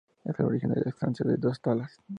Es el origen de la estancia "Dos Talas".